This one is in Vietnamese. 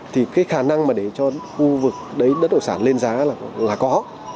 thì cái khả năng mà để cho khu vực đấy đất đồ sản lên giá là có